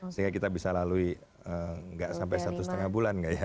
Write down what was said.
sehingga kita bisa lalui nggak sampai satu setengah bulan nggak ya